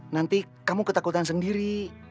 nanti kamu ketakutan sendiri